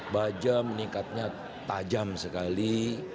baja meningkatnya tajam sekali